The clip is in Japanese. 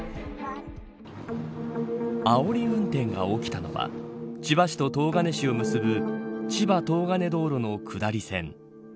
あおり運転が起きたのは千葉市と東金市を結ぶ千葉東金道路の下り線。